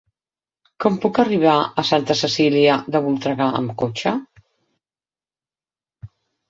Com puc arribar a Santa Cecília de Voltregà amb cotxe?